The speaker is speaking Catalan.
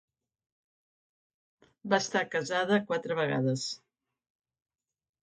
Va estar casada quatre vegades.